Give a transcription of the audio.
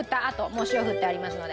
もう塩を振ってありますので。